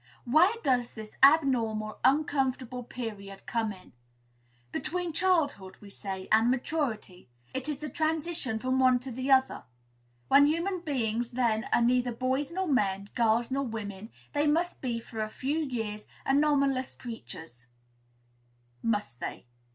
Where does this abnormal, uncomfortable period come in? Between childhood, we say, and maturity; it is the transition from one to the other. When human beings, then, are neither boys nor men, girls nor women, they must be for a few years anomalous creatures, must they?